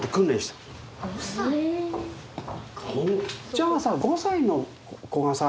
じゃあさ５歳の子がさ